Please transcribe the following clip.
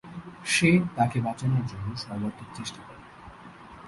সে তাকে বাঁচানোর জন্য সর্বাত্মক চেষ্টা করে।